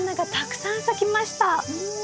うん。